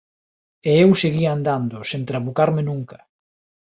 E eu seguía andando, sen trabucarme nunca.